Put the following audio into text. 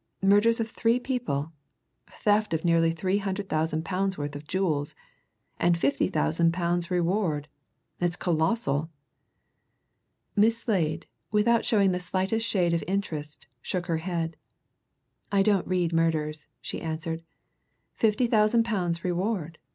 Murders of three people theft of nearly three hundred thousand pounds' worth of jewels and fifty thousand pounds reward! It's colossal!" Miss Slade, without showing the slightest shade of interest, shook her head. "I don't read murders," she answered. "Fifty thousand pounds reward!